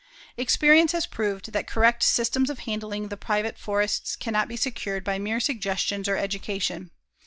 Experience has proved that correct systems of handling the private forests can not be secured by mere suggestions or education.